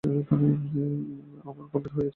অমল গম্ভীর হইয়া চুপ করিয়া রহিল।